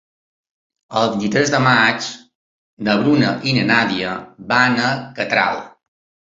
El vint-i-tres de maig na Bruna i na Nàdia van a Catral.